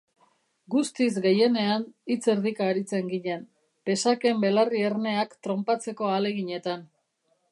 Gutiz gehienean, hitz erdika aritzen ginen, Pessac-en belarri erneak tronpatzeko ahaleginetan.